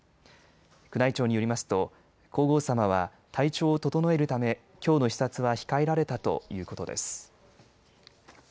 宮内庁によりますと皇后さまは体調を整えるためきょうの視察は控えられたということです。